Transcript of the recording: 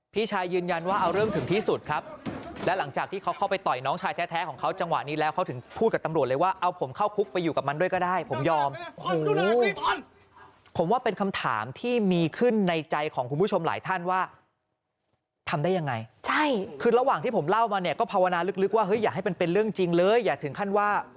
พี่ชายยืนยันว่าเอาเรื่องถึงที่สุดครับและหลังจากที่เขาเข้าไปต่อยน้องชายแท้ของเขาจังหวะนี้แล้วเขาถึงพูดกับตำรวจเลยว่าเอาผมเข้าคุกไปอยู่กับมันด้วยก็ได้ผมยอมโอ้โหผมว่าเป็นคำถามที่มีขึ้นในใจของคุณผู้ชมหลายท่านว่าทำได้ยังไงใช่คือระหว่างที่ผมเล่ามาเนี่ยก็ภาวนาลึกว่าเฮ้ยอย่าให้มันเป็นเรื่องจริงเลยอย่าถึงขั้นว่า